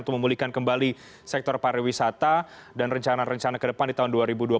untuk memulihkan kembali sektor pariwisata dan rencana rencana ke depan di tahun dua ribu dua puluh